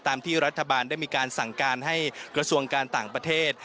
ที่รัฐบาลได้มีการสั่งการให้กระทรวงการต่างประเทศ